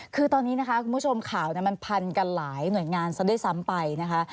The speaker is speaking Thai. คือตอนนี้นะคะคุณผู้ชมข่าวมันพันกันหลายหน่วยงานซะด้วยซ้ำไปนะคะ